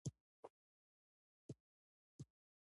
د بوډۍ پر ټال مې پلونه کښېښول